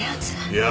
いや。